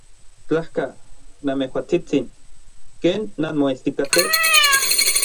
Tlajka, namejuatsitsin. ¿Ken nanmoestikatej?